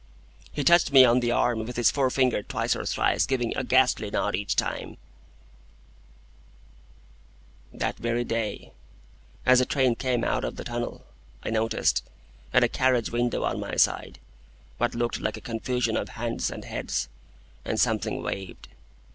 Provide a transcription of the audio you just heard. He touched me on the arm with his forefinger twice or thrice giving a ghastly nod each time:— "That very day, as a train came out of the tunnel, I noticed, at a carriage window on my side, what looked like a confusion of hands and heads, and something waved.